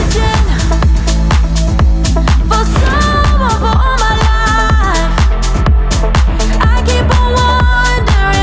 จริงกันเนี่ย